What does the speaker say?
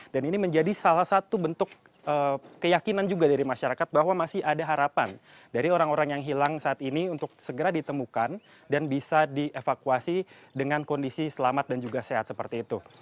dan ini menjadi salah satu bentuk keyakinan juga dari masyarakat bahwa masih ada harapan dari orang orang yang hilang saat ini untuk segera ditemukan dan bisa dievakuasi dengan kondisi selamat dan juga sehat seperti itu